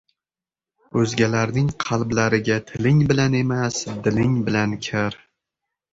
O‘zgalarning qalblariga tiling bilan emas, diling bilan kir.